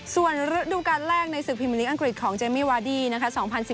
ส่วนฤดูการแรกในศึกพิมพลิกอังกฤษของเจมมี่วาดี้นะคะ